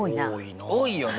多いよね？